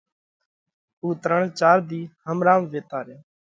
اُو ترڻ چار ۮِي همرام ويتا ريا۔